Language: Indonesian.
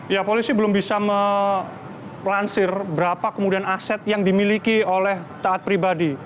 ya polisi belum bisa melansir berapa kemudian aset yang dimiliki oleh taat pribadi